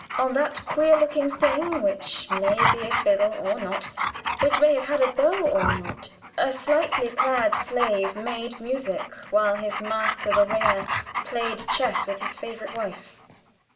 On that queer looking thing which may be a fiddle or not which may have had a bow or not a slightly clad slave made music while his master the rayah played chess with his favorite wife.